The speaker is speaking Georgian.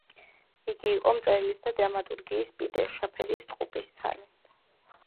იგი იყო მწერლის და დრამატურგის პიტერ შაფერის ტყუპისცალი.